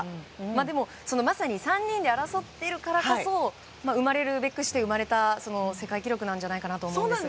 でも、まさに３人で争っているからこそ生まれるべくして生まれた世界記録なんじゃないかなと思うんですが。